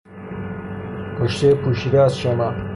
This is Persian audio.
پشتهی پوشیده از چمن